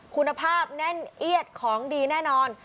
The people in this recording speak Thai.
คุณภาพแน่นเอียดของดีแน่นอน